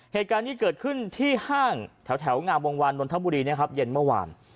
เหตุการณ์นี้เกิดขึ้นที่ห้างแถวงามวงวานนทบุรีนะครับเย็นเมื่อวาน